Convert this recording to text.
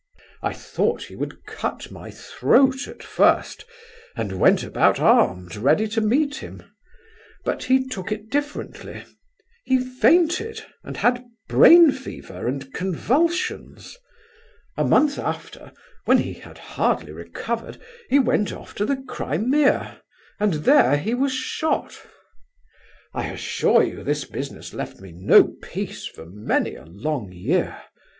"I thought he would cut my throat at first, and went about armed ready to meet him. But he took it differently; he fainted, and had brain fever and convulsions. A month after, when he had hardly recovered, he went off to the Crimea, and there he was shot. "I assure you this business left me no peace for many a long year.